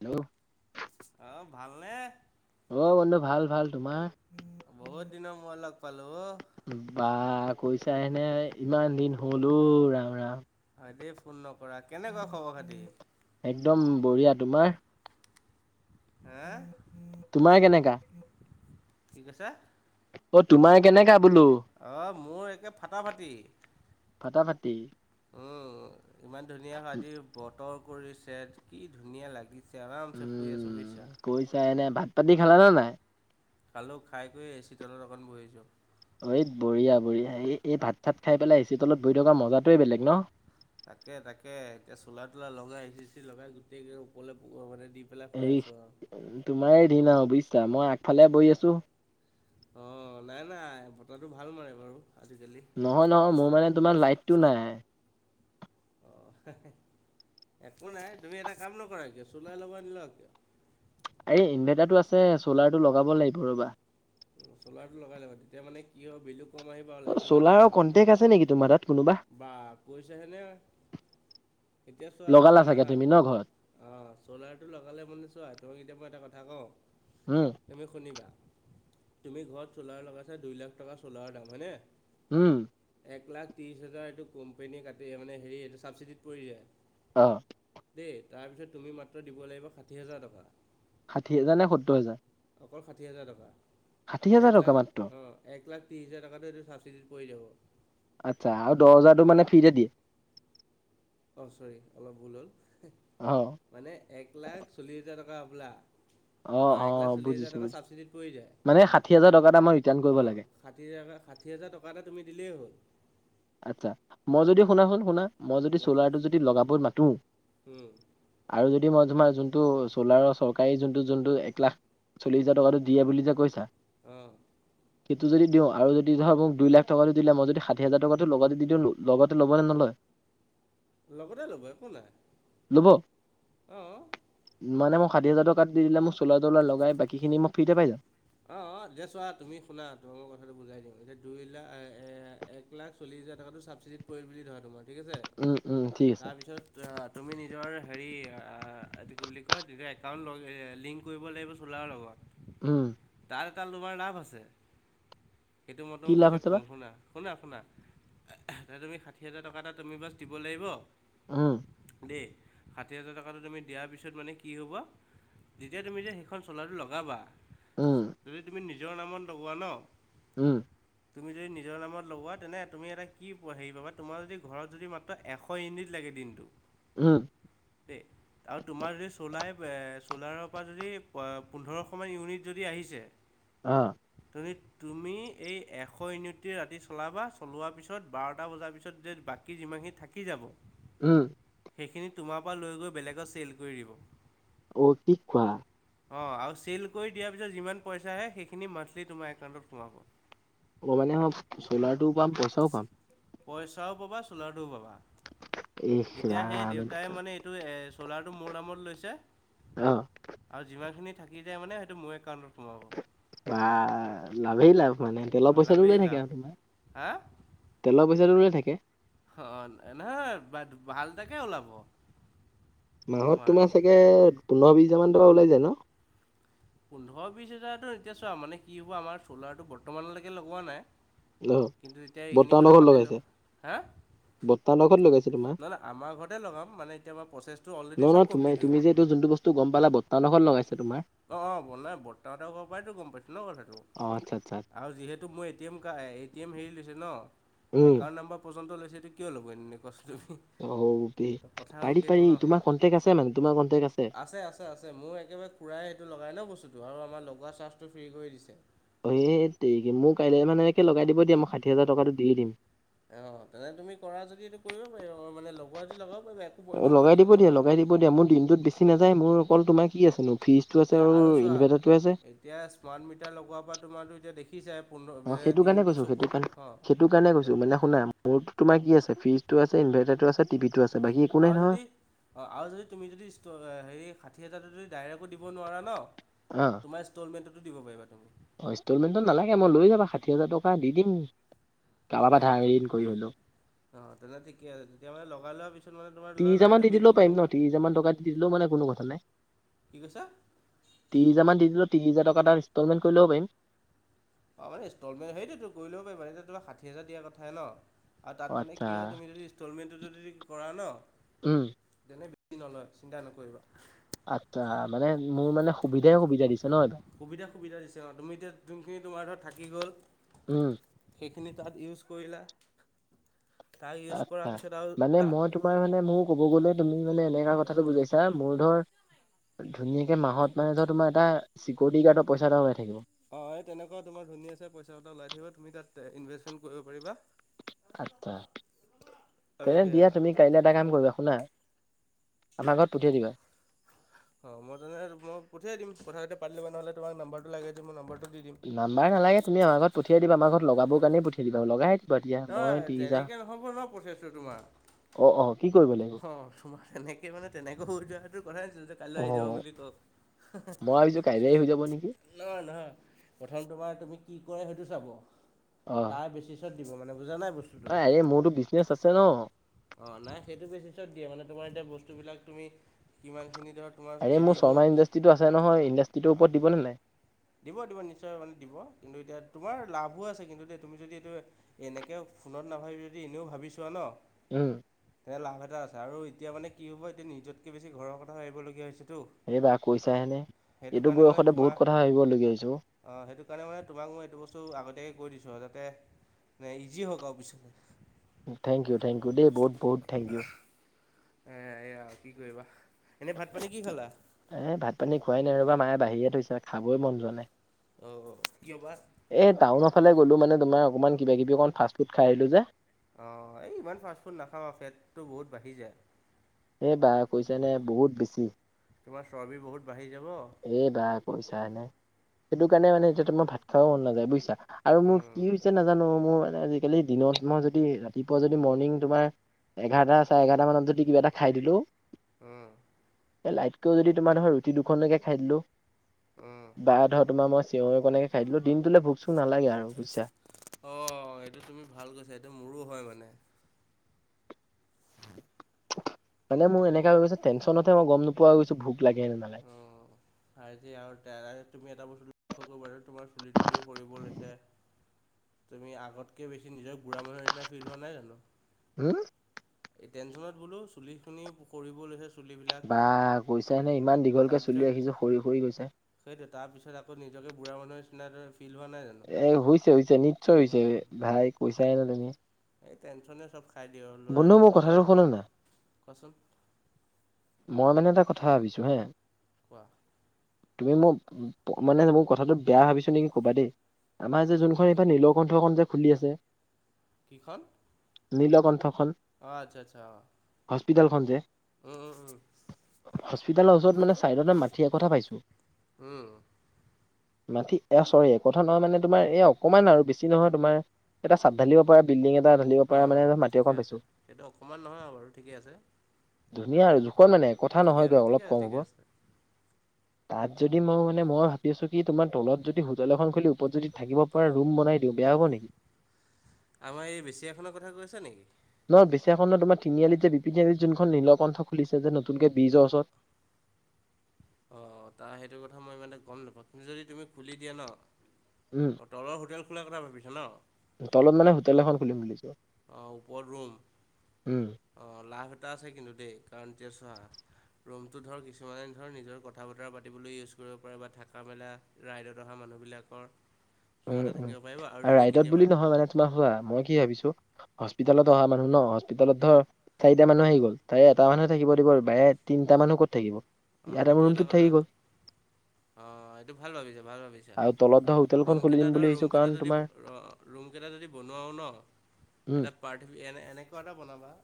Hello! আ, ভালনে? অ', বন্ধু ভাল, ভাল তোমাৰ? বহুত দিনৰ মুৰত মই লগ পালোঁ অ'। বা কৈছাহেনে ইমান দিন হ'ল অ', ৰাম, ৰাম। হয়, দেই ফোন নকৰা, কেনেকুৱা খবৰ খাতি? একদম বঢ়িয়া, তোমাৰ? হা তোমাৰ কেনেকা? কি কৈছা? অ', তোমাৰ কেনেকা বোলোঁ? অ', মোৰ একে ফাটা ফাটি। ফাটাফাটি। উম, ইমান ধুনীয়া আজি বতৰ কৰিছে কি ধুনীয়া লাগি উম, কৈছাহেনে ভাত, পানী খালানে নাই? খালোঁ খাই কৰি এ, চি তলত অকণ বহিছোঁ। এ বঢ়িয়া, বঢ়িয়া এই, এই ভাত চাত খাই পেলাই এ চি তলত বহি থকা মজাটোৱে বেলেগ ন? তাকে, তাকে এতিয়া চোলা তোলা লগাই এচি চিচি লগাই গোটেইকে ওপৰলে [unintelligible] দি দি পেলাই শুই এই আছোঁ আৰু। তোমাৰে দিন আৰু বুইছা মই আগফালে বহি আছোঁ। অ', নাই, নাই বতাহটো ভাল মাৰে বাৰু আজিকালি। নহয়, নহয় মোৰ মানে তোমাৰ লাইটটো নাই। অ', একো নাই তুমি এটা কাম নকৰা কিয়? চ'লাৰ লগাই নোলোৱা কিয়? আৰে ইনভাৰ্টাৰটো আছে চ'লাৰটো লগাব লাগিব ৰ'বা। চ'লাৰটো লগাই ল'বা তেতিয়া মানে কি হয়, বিলটো কম আহি অ', চ'লাৰৰ কণ্টেক্ট আছে নেকি তোমাৰ তাত কোনোবা? বা কৈছেহেনে, এতিয়া চোৱা লগালা শুনা চাগে হা তুমি ন ঘৰত অ', চ'লাৰটো লগালে মানে চোৱা তোমাক এতিয়া মই এটা কথা কওঁ। উম তুমি শুনিবা, তুমি ঘৰত চ'লাৰ লগাইছা দুই লাখ টকা চ'লাৰৰ দাম হয়নে? উম। এক লাখ ত্ৰিছ হেজাৰ এইটো কোম্পেনীয়ে কাটি মানে হেৰি এইটো ছাবচিডিত পৰি যায়। অ'। দেই তাৰপিছত তুমি মাত্ৰ দিব লাগিব ষাঠি হেজাৰ টকা। ষাঠি হেজাৰ নে সত্তৰ হেজাৰ? অকল ষাঠি হেজাৰ টকা, হাজাৰ এক টকা লাখ মাত্ৰ অ'। এক লাখ ত্ৰিছ হেজাৰ টকাতো এইটো ছাবচিডিত পৰি যাব। আচ্ছা আৰু দহ হাজাৰটো অঁ মানে ফ্ৰীতে দিয়ে। অ', চৰি অলপ ভুল হ'ল। অ'। মানে এক লাখ চল্লিছ হেজাৰ টকা হ'বলা। অ', এক লাখ চল্লিছ হাজাৰ টকা ছাবচিডিত পৰি যায় মানে ষাঠি হাজাৰ টকা এটা মই ৰিটাৰ্ণ কৰিব লাগে অ'। ষাঠি‌‌ হেজাৰ ট, ষাঠি হাজাৰ টকা এটা তুমি দিলেই হ'ল। আচ্ছা, মই যদি শুনা সোন শুনা, মই যদি কোৱাচোন চ'লাৰটো যদি লগাব মাতো, আৰু যদি মই তোমাৰ যোনটো চ'লাৰৰ চৰকাৰী যোনটো যোনটো এক লাখ চল্লিছ হাজাৰ টকাটো দিয়ে বুলি যে কৈছা, অ' সেইটো যদি দিওঁ আৰু যদি ধৰা মোক দুই লাখ টকাতো দিলে, মই যদি ষাঠি হাজাৰ টকা টো লগতে দি দিলোঁ, ‌ লগতে ল'ব নে নলয়? লগতে ল'ব একো নাই। ল'ব অ' মানে মই ষাঠি হাজাৰ টকাটো দি দিলে মই চ'লাৰ-ত'লাৰ লগাই বাকী খিনি মই ফ্ৰীতে পাই যাম। অ' অ' যে চোৱা তুমি শুনা, তোমাক মই কথাটো বুজাই দিওঁ, এতিয়া দুই লা এ-এ এক লাখ চল্লিছ হোজাৰ টকাটো ছাবচিডিত পৰিল বুলি ধৰা তোমাৰ ঠিক আছে, উম, উম, ঠিক আছে। তাৰপিছত [unintelligible] তুমি নিজৰ হেৰি আ এইটো কি বুলি কয়, তেতিয়া একাউণ্ট লগ লিংক কৰিব লাগিব চ'লাৰৰ লগত উম তাৰ এটা তোমাৰ লাভ আছে। সেইটো মই কি তোমাক লাভ হৈছে পিছত বা? ক'ম শুনা শুনা শুনা, [unintelligible] তুমি ষাঠি হাজাৰ টকা এটা তুমি বছ দিব লাগিব, উম দেই, ষাঠি হাজাৰ টকাতো তুমি দিয়াৰ পিছত মানে কি হ'ব, যেতিয়া তুমি যে সেইখন চ'লাৰটো লগাবা, উম যদি তুমি নিজৰ নামত লগোৱা ন' উম তুমি যদি নিজৰ নামত লগোৱা তেনে তুমি এটা কি হেৰি পাবা, তোমাৰ যদি ঘৰত যদি মা ত এশ ইউনিট লাগে দিনটো। উম দেই আৰু তোমাৰ যদি চ'লাই এ চ'লাৰৰ পৰা যদি পোন্ধৰশ মান ইউনিট যদি আহিছে অ' তুমি তুমি এই এশ ইউনিটোৱেই ৰাতি চলাবা চলোৱাৰ পিছত বাৰটা বজাৰ পিছত যে বা কি যিমানখিনি থাকি যাব উম সেইখিনি তোমাৰ পৰা লৈ গৈ বেলেগত চেল কৰি দিব অ' কি কোৱা অ' আউ চেল কৰি দিয়াৰ পিছত যিমান পইচা আহে, সেইখিন মানথলি তোমাৰ একাউণ্টত সোমাব। [unintelligible] মানে [unintelligible] চ'লাৰ টোও পাম, পইচাও পাম পইচাও পাবা চ'লাৰটোও পাবা। ইচ এতিয়া সেই ৰাম দেউতাই মানে টো এ চলাৰটো মোৰ নামত লৈছে, অ', আৰু যিমানখিনি থাকি যায় মানে সেইটো মোৰ একাউণ্টত সোমাব। বাঃ লাভেই লাভ মানে তেলৰ পইচাটো লাভেই ওলাই থাকে লাভ আউ তোমাৰ। হা? তেলৰ পইচাটো ওলাই থাকে। অ' নহয় বাদ ভাল তাকে ওলাব। মাহত তোমাৰ চাগে পোন্ধৰ বিছ হাজাৰ মান টকা ওলাই যায় ন'? পোন্ধৰ বিশ হোজাৰতো এতিয়া চোৱা মানে কি হ'ব আমাৰ চ'লাৰটো বৰ্তমানলেকে লগোৱা নাই অ', কিন্তু তেতিয়া এইখিনি বৰ্তাহতৰ কথা ঘৰত পাতিলো, লগাইছে। হা? বৰ্তাহতৰ ঘৰত লগাইছে তোমাৰ? না না আমাৰ ঘৰতে লগাম মানে এতিয়া মই প্ৰচেছ- ন নহয় তোমাৰ তুমি যে এইটো যোনটো বস্তু গম পালা, বৰ্তাহঁতৰ ঘৰত লগাইছে তোমাৰ? অঁ অঁ বনাই বৰ্তাহঁতৰ পৰাইতো গম পাইছো ন কথাটো, অ', আচ্ছা, আচ্ছা। আৰু যিহেতু মো A- T M car A T M হেৰি লৈছে ন উম, একাউণ্ট নাম্বৰ পৰ্যন্ত লৈছে, এইটো কিয় ল'ব এনেই কোৱা চোন তুমি? অও' দে তো কথা হ'ল পাৰি সেইটো পাৰি, ন তোমাৰ কণ্টেক্ট আছে মানে তোমাৰ কণ্টেক্ট আছে। আছে আছে, মোৰ একেবাৰে খুৰাই সেইটো লগাই ন বস্তুটো আৰু আমাৰ লগোৱা চাৰ্জটো ফ্ৰী কৰি দিছে। হেইত তেৰিকি মোৰ কাইলে মানে একে লগাই দিব দিয়া মই ষাঠি হাজাৰ টকাটো দিয়ে দিম। অঁ তেনেকে তুমি কৰা যদি এইটো কৰিব পাৰিবা মানে লগোৱা যদি লগাব পাৰিবা একো কৰিব প্ৰব্লেম নহয়। হ'ব দিয়া, মোৰ দিনটোত বেছি নাযায় মোৰ অকল তোমাৰ কি আছেনো ফ্ৰিজটো আছে এতিয়া আৰু চোৱা ইনভাৰ্টাৰটোৱে আছে। এতিয়া স্মাৰ্ট মিটাৰ লগোৱা পা তোমাৰটো এতিয়া দেখ- সি চায় পোন্ধ বে অ', সেইটো কাৰণে দিনটো কৈছো চকুত অঁ তত- মোৰটো তোমাৰ কি আছে ফ্ৰিজটো আছে ইনভেৰ্টাইটো আছে টিভিটো আছে বাকী একো নাই নহয়। অ আও যদি তুমি যদি ষ্ট হেৰি ষাঠি হাজাৰটো যদি ডাইৰেকো দিব নোৱাৰা ন- অঁ'। তোমাৰ ইষ্টলমেণ্টোতো দিব পাৰিবা তুমি। অঁ ইষ্টলমেণ্টো নালাগে মই লৈ যাবা ষাঠি হাজাৰ টকা দি দিম। কাৰোবাৰ পৰা অঁ ধাৰ তেনে ঋণ কৰি হ'লেও। অঁ তেনে ঠিকে আছে তেতিয়া মানে লগাই লৱা পিছত মানে- তোমাৰ ধৰি ত্ৰিছ লোৱা হাজামান লাইটৰ দি দিলেও বিলটো পাৰিম কম ন হয়। ত্ৰিশ হাজা মান টকাত দি দিলেও মানে কোনো কথা নাই। কি কৈছা? ত্ৰিছ হেজমান দি দিলও তিনি হেজা টকা এটা ইষ্টলমেণ্ট কৰি ল'ব পায়িম। অঁ হে ষ্টলমেণ্ট সেইটোৱেটো কৰি লব পাৰিবা এজে তোমাক ষাঠি হাজাৰ দিয়াৰ কথাই ন। আ অ তাত মানে আচ্ছা কি হয় তুমি যদি ষ্টলমেণ্টো যদি কৰা ন, উম তেনে- কি নলয় চিন্তা নকৰিবা। আৎচ্ছা মানে মোৰ মানে সুবিধাই সুবিধা দিছে নহ এইটো। সুবিধা সুবিধা দিছে অঁ, তুমি এতিয়া যোনখিনি তোমাৰ ধৰত থাকি গ'ল, উম - সেইখিনি তাত ইউজ কৰিলা, তাই ইউজ কৰা পিছত আও তা- পায় মানে মও ক'ব গ'লে তুমি মানে এনেকা কথাটো বুজাইছা, মোৰ ধৰ- ধুনীয়াকে মাহত মানে ধৰ তোমা এটা চিকয়দি গাৰ্ড পইচা এটা ওলাই থাকিব। অঁ এ তেনকুৱা তোমাৰ ধুনীয়াছে পইচা এটা ওলাই থাকিব তুমি তাত ইনভেষ্টমেণ্ট কৰিব পাৰিবা। আৎচ্ছা আৰু তেয়ে সেয়া দিয়া তুমি কাইলে এটা কাম কৰিবা শুনা- আমা ঘৰত পঠিয়াই দিবা। অঁ মই তেনে মই পঠিয়াই দিম কথা কিটা পাতি লবা নহ'লে তোমাক নাম্বাৰটো লাগে যদি মই নম্বাৰটো দি দিম। নাম্বাৰ নালাগে তুমি আমা ঘৰত পঠিয়াই দিবা আমা ঘত লগাব কাণেই পঠিয়াই দিবা। লগাই- দিবা দিয়া মই নহয়, ত্ৰিশ হাজাৰ তেনেকে নহ'ব ন প্ৰচেছটো তোমা। অ অ কি কৰিবলে? অহঁ তোমাৰ তেনেকে মানে তেনেকৈ হৈ যোৱাটো কথাই নাছিল যে অ কাইলৈ আহি যাব বুলি ক হেঁ হেঁ। কাইলেই হৈ যাব নিকি? নহয় নহয়, প্ৰথম তোমাৰ তুমি কি কৰে সেইটো চাব, তাৰ বেছিছ- ছত দিব মানে বুজা নাই বচ- আঁয় এ মোৰতো বিজনেচ আছে ন। অঁ নাই সেইটো বেচিছত দিয়ে মানে তোমাৰ এতিয়া বস্তুবিলাক তুমি কিমানখিনি দত- আৰে মোৰ শৰ্মা ইণ্ডাষ্ট্ৰিটো আছে নহয় ইণ্ডাষ্ট্ৰিটোৰ অ', ওপৰত দিবনে নাই? দিব দিব নিশ্চয় মানে দিব, কিন্তু এতিয়া তোমাৰ লাভো আছে কিন্তু দেই তুমি যদি এইটোৱে- এনেকে ফোনত নাভাবি যদি এনেও ভাবিছোঁৱা ন, - উম'। এ লাভ এটা আছে আৰু এতিয়া মানে কি হ'ব এতিয়া নিজতকে বেছি ঘৰ কথা ভাবিবলগীয়া হৈছেতো। এইবা কৈছাহেনে সেইটো এইটো কাৰণে মানে বয়সতে বহুত তোমাৰ কথা ভাবিবলগীয়া হৈছে অ'। অঁ', সেইটো কাৰণে মানে তোমাক মই এইটো বস্তু আগতীয়াকে কৈ দিছোঁ আও যাতে- ইজি হওঁক আও পিছলে। থেংক ইউ, থেংক ইউ দেই, বহুত-বহুত থেংক ইউ। এ' এ' এয়া কি কৰিবা, এনেই ভাত-পানী কি খালা? এ' ভাত-পানী খোৱাই নাই ৰ'বা মায়ে বাহিয়ে থৈছে খাবই মন যোৱা নাই। অ', -অ', কিয় বা'? এ' টাউন ফালে গ'লো মানে তোমাৰ অকণমান কিবা-কিবি অকণ ফাষ্টফুড খাই আহিলোঁ যে। অঁ', এই ইমান ফাষ্ট ফুড নাখাওঁ আঁও পেটটো বহুত বাঢ়ি যায়। এ' বা' কৈছা নে বহুত বেছি। তোমাৰ চৰ্বি বহুত বাঢ়ি যাব। এই বা' কৈছা হেনে, সেইটো কাৰণে মানে এতিয়া তোমাৰ ভাত খাব মন নাযায় বুইছা। আৰু মোৰ উম কি হৈছে নাজানো মোৰ মানে আজি- কালি দিনত মই যদি ৰাতিপুৱা যদি মৰ্ণিং তোমাৰ এঘাৰটা, চাৰে এঘাৰটা মানত- যদি কিবা এটা খাই দিলোঁ, উম লাইটকেও যদি তোমাৰ ধৰ ৰুটি দুখনলৈকে খাই দিলোঁ- উম বা ধৰ তোমাৰ মই চিঞঙকণকে খাই দিলো দিনটোলে ভোক-চোক নালাগে আৰু বুজিছা। অ', এইটো তুমি ভাল কৈছা এইটো মোৰো হয় মানে। মানে মোৰ সেইটো এনেকা হৈ গৈছে টেনশ্যনতহে মই গম নোপোৱা গৈছো ভোক লাগে নে নেলাগে। হয় দিয়া, আৰু দাৰাৰ তুমি এটা বস্তু লক্ষ্য কৰিবা তোমাৰ চুলি-তুলিও সৰিব লৈছে। তুমি আগতক বেছি নিজৰ বু়ঢ়া মানুহ নিচনা ফিল হোৱা নাই জানো। উম'। এই টেনশ্যনত বোলোও চুলিখিনিও সৰিব লৈছে। চুলিবিলাক বাঃ কৈছাই নে ইমান দীঘলকৈ চুলি ৰাখিছোঁ সৰি-সৰি গৈছে। সেইটোয়ে, তাৰপিছত আকৌ নিজকে বুঢ়া মানুহৰ নিচিনা ধৰ ফিল হোৱা নাই জানো। এ' হৈছে-হৈছে, নিশ্চয় হৈছে, উম ভাই কৈছাই নে তুমি। এই টেন্যশনে চব খাই দিয়ে আৰু। বন্ধু ল'ৰাৰ, মোৰ কথাটো ল'ৰাৰ, শুনা না কোৱাচোন? মই মানে এটা কথা ভাবিছোঁ হেঁ। কোৱা? তুমি মোৰ মানে মোৰ কথাটো বেয়া ভাবিছো নেকি কবা দেই? আমাৰ এই যে যোনখন এইবাৰ নীলকণ্ঠ খন যে খুলি আছে। কি খন? নীলকণ্ঠখন। অ' আচ্ছা'-আচ্ছা' অ',। হস্পিটেলখন যে। উমঁ-উমঁ-হুম। হস্পিতালৰ ওচৰত মানে চাইডতে মাটিৰ একঠা পাইছো। উম উম মাটি এয়া চৰি একঠা নহয় মানে তোমাৰ এইয়া অকণমান আৰু বেছি নহয়, তোমাৰ- এটা চাব্ধঢালিব পাৰে বিল্ডিঙৰ- ধালিব পৰা অঁ মানে অঁ মাটি অকণ ঠিকে পাইছো। আছে সেইটো অকণমান নহয় আৰু ঠিকে আছে ধুনীয়া আৰু- জোখত মানে একঠা ঠিকে নহয় গে আছে অলপ ঠিকে আছে কম হ'ব। ঠিকে আছে তা'ত যদি মই মানে মই ভাবি আছো কি তোমাৰ তলত যদি হোটেল এখন খুলি ওপৰত যদি থাকিব- পুৰা ৰুম বনাই দিওঁ বেয়া হ'ব নেকি? আমাৰ এই বেচিয়াখনৰ কথা কৈছে নেকি? নহয় বেচখণত তোমাৰ তিনিআলি যে বিপি আলিত যোনখন নীল কণ্ঠ খুলিছে নতুনকে বীজৰ ওচৰত। অ', তাৰ সেইটো কথা মই মানে গম নাপাওঁ তুমি যদি তুমি খুলি দিয়া ন'। উম'। অঁ তলৰ হোটেল খোলাৰ কথা ভাবিছা ন'? তলত মানে হোটেল এখন খুলিম বুলিছোঁ। অঁ ওপৰত ৰুম, অঁ লাভ এটা আছে কিন্তু দেই কাৰণ এতিয়া চোৱা। ৰুমটো ধৰ কিছুমানে ধৰ নিজৰ কথা বতৰা পাতিবলৈ ইউজ কৰিব পাৰে, বা থাকা মেলা। ৰাইডত অহা মানুহবিলাকৰ। উম' সিহঁতে উম' থাকিব পাৰিব আৰু যদি ৰাইডত কেতিয়াবা বুলি নহয় মানে, তোমাৰ চোৱা মই কি ভাবিছোঁ। হস্পিটলত অহা মানুহ ন', হস্পিটলত ধৰ। চাৰিটা মানুহ আহি গ'ল, তাৰে এটা মানুহে থাকিব দিব, বায়ে তিনিটা মানুহ ক'ত থাকিব? অ' এটা সেইটো মোৰ ৰুমটোত কথা থাকি গ'ল। অ' এইটো ভাল ভাবিছে, ভাল ভাবিছে। আৰু তলত ধৰ হোটেলখন খুলি ৰুমকেইটা দিম ধৰ, বুলি ভাবিছো ৰুমকেইটা কাৰণ যদি তোমাৰ ৰুমকেইটা যদি বনোৱাওঁ ন'। উম'। পাৰ্থি, এনে এনেকুৱা এটা বনাবা,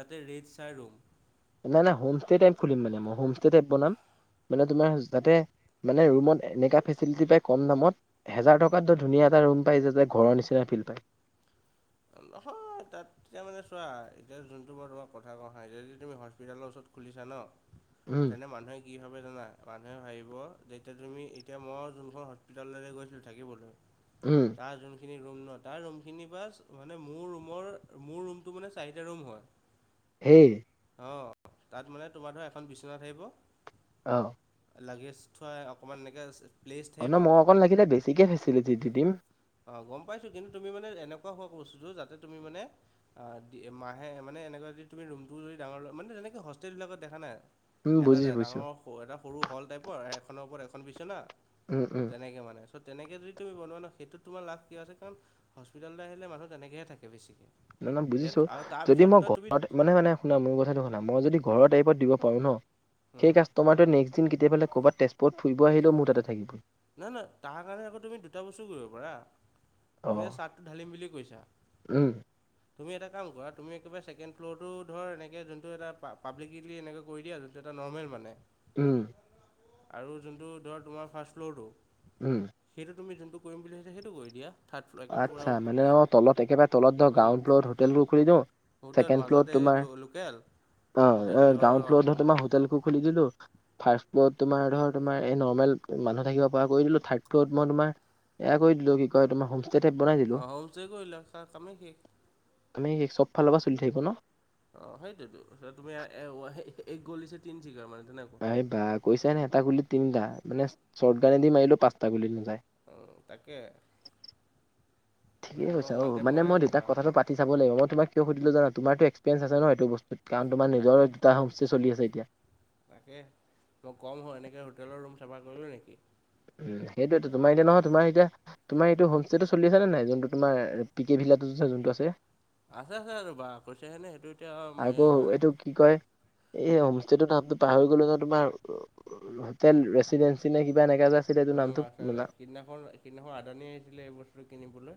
যাতে ৰেড চাই ৰুম। নাই, নাই, হোমষ্টে টাইপ খুলিম মানে মই, হোমষ্টে টাইপ বনাম, মানে তোমাৰ যাতে মানে, ৰুমত এনেকুৱা ফেচিলিটি পায় কম দামত। হেজাৰ টকাত ধ ধুনীয়া এটা ৰুম পায় যাতে, ঘৰৰ নিচিনা ফিল পায়। হয়, তাত। তেতিয়া মানে চোৱা, এতিয়া যোনটো বাৰু তোমাক কথা কওঁ হা, এতিয়া যদি তুমি হস্পিটেলৰ ওচৰত খুলিছা ন'। উম, তেনে মানুহে কি ভাৱে জানা, মানুহে ভাবিব যেতিয়া তুমি এতিয়া মই যোনখন হস্পিটাললৈ গৈছিলোঁ থাকিবলৈ। উম'। তাৰ যোনখিনি ৰুম ন', তাৰ ৰুমখিনি বাছ। মানে মোৰ ৰুমৰ, মোৰ ৰুমটো মানে চাৰিটা ৰুম হয়। সেই। অ' তাত মানে তোমাৰ ধৰা এখন বিছনা থাকিব। অ'। লাগেজ থোৱা অকণমান এনেকে আছে। অ' ন মই অকণ লাগিলে, বেছিকে ফেছেলিটি দি দিম। অ' গ'ম পাইছো, কিন্তু তুমি মানে এনেকুৱা হোৱা বস্তুটো যাতে তুমি মানে আ' মাহে মানে এনেকুৱা যদি তুমি ৰুমটো যদি ডাঙৰ লৈ, মানে তেনেকে হোষ্টেলবিলাকত দেখা নাই? উম এটাত বুজিছো বুজিছো ডাঙৰ এটা সৰু হল টাইপৰ, এখনৰ ওপৰত এখন বিছনা, উম উম তেনেকে মানে। ত' তেনেকে যদি তুমি বনোৱা ন, সেইটোত তোমাৰ লাভ কিয় আছে, কাৰণ হস্পিটেললে আহিলে মানুহ তেনেকৈহে থাকে বেছি। ন' ন' বুজিছোঁ, যদি মই ঘৰত মানে মানে শুনা মোৰ কথাটো শুনা, মই যদি ঘৰৰ টাইপত দিব পাৰো ন', সেই কাস্তমাৰটোয়ে নেস্ক কেতিয়াবালে ক'বাত তেজপুৰত ফুৰিব আহিলেও মোৰ তাতে থাকিব। না, না, তাৰ কাৰণে আকৌ তুমি দুটা বস্তু কৰিব পাৰা, অ তুমি যে চাৰ্টটো ঢালিম বুলি কৈছা। উম'। তুমি এটা কাম কৰা, তুমি একেবাৰে ছেকেণ্ড ফ্ল'ৰটো ধৰ এনেকে যোনটো এটা পাব্লিকেলি এনেকে কৰি দিয়া। এটা নৰ্মেল মানে। উম'। আৰু যোনটো ধৰ তোমাৰ ফাৰ্ষ্ট ফ্ল'ৰটো। উম'। সেইটো তুমি যোনটো কৰিম বুলি ভাবিছা, সেইটো কৰি দিয়া। থাৰ্ড ফ্ল'ৰ একে পূৰা আচ্ছা, মানে অ' তলত একেবাৰে তলত ধৰ, গ্ৰাউণ্ড ফ্লৰত হোটেলবোৰ খুলি দিওঁ। হোটেল মাজত এই লোকেল। অঁ, এ গ্ৰাউণ্ড ফ্ল'ৰত ধৰ তোমাৰ হোটেলবোৰ খুলি দিলো। ফাৰ্ষ্ট ফ্ল'লৰত তোমাৰ ধৰ তোমাৰ এই নৰ্মেল মানুহ থাকিব পৰা কৰি দিলোঁ, থাৰ্ড ফ্ল'ত মই তোমাৰ এইয়া কৰি দিলো কি কয় তোমাৰ হোম অঁ, হোমষ্টে কৰিলা, তাৰ কামেই শেষ। তুমি চব ফালৰ পৰা চলি থাকিব ন। অঁ, সেইটোতো তুমি এক গলিছে তিন চিকাৰ মানে তেনে এই বা কৈছা নে এটা গুলিত তিনিটা মানে, শ্বৰ্ট গানেদি মাৰিলো পাঁচটা গুলিত নাযায়। অঁ, তাকে। ঠিকে এতিয়া তোমাৰ কৈছা অ, ওৱান টাইম মানে মৰাৰে মই কথা দেউতাক কথাটো পাতি চাব লাগিব মই তোমাক কিয় সুধিলো জানা তোমাৰটো এক্সেপেৰিয়েঞ্চ আছে ন এইটো ব কাৰণ তোমাৰ নিজৰে তাকে দুটা হোমষ্টে চলি আছে এতিয়া। তাকে, ত ক'ম হয় এনেকে হোটেলৰ ৰুম চাফা কৰিলোঁ নেকি? উম, সেইটোয়েইতো তোমাৰ এতিয়া নহয় তোমাৰ এতিয়া তোমাৰ এইটো হোমষ্টেটো চলি আছে নে নাই? যোনটো তোমাৰ পি কে ভিলাটো যে যোনটো আছে। আছে আছে ৰবা, কৈছে হেনে সেইটো এতিয়া আকৌ এইটো কি কয় এই হোমষ্টেটোৰ নামটো পাহৰি গ'ল নহয় তোমাৰ হোটেল ৰেচিডেঞ্চি নে কিবা এনেকা যে আ উম আছে আছে, সেইদিনাখন সেইদিনাখন আদানি আহিছিলে এই বস্তুটো কিনিবলৈ।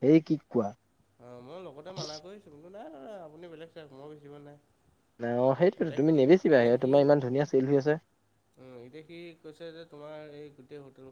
সেই কি কোৱা? অঁ, মই লগতে মানা কৰিছোঁ, কিন্তু নাই নাই আপুনি বেলেগ চাওঁক মই বেছিব নাই। অঁ সেইটোতো এতিয়া তুমি সি এতিয়া নেবেচিবাই সি তোমাৰ ইমান ধুনীয়া চেল হৈ আছে। উম, এতিয়া সি কৈছে যে তোমাৰ এই গোটেই হোটেলখন